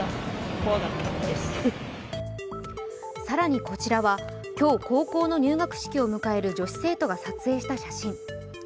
更に、こちらは今日高校の入学式を迎える女子生徒が撮影した写真。